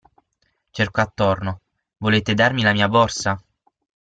Cercò attorno: Volete darmi la mia borsa?